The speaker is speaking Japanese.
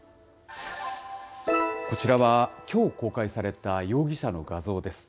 こちらは、きょう公開された容疑者の画像です。